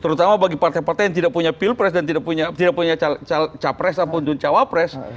terutama bagi partai partai yang tidak punya pilpres dan tidak punya capres ataupun cawapres